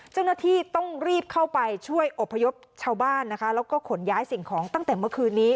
เจ้าหน้าที่ต้องรีบเข้าไปช่วยอบพยพชาวบ้านนะคะแล้วก็ขนย้ายสิ่งของตั้งแต่เมื่อคืนนี้